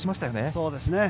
そうですね。